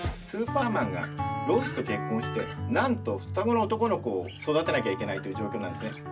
スーパーマンがロイスと結婚してなんと双子の男の子を育てなきゃいけないという状況なんですね。